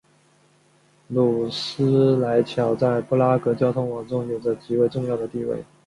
努斯莱桥在布拉格交通网中有着极为重要的地位。